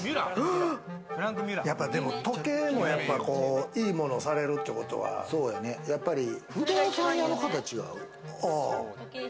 やっぱり時計もいいものをされるということは、やっぱり不動産屋の方、違う？